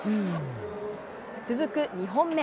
続く２本目。